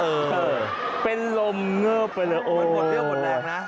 เออเป็นลมเงิบไปเลยโอ้ยหมดเรี่ยวหมดแรงนะ